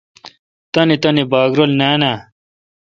تنی تانی باگ نان اؘ۔